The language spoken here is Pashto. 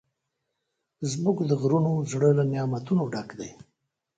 زموږ د غرونو زړه له نعمتونو ډک دی.